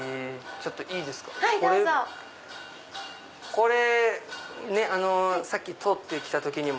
これさっき通って来た時にも。